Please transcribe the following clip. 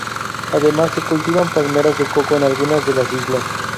Además, se cultivaban palmeras de coco en algunas de las islas.